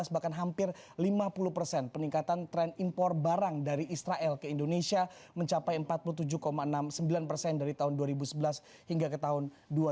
bahkan hampir lima puluh persen peningkatan tren impor barang dari israel ke indonesia mencapai empat puluh tujuh enam puluh sembilan persen dari tahun dua ribu sebelas hingga ke tahun dua ribu enam belas